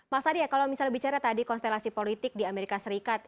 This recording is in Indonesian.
mas arya kalau misalnya bicara tadi konstelasi politik di amerika serikat